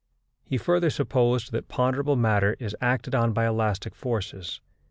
He further supposed that ponderable matter is acted on by elastic forces.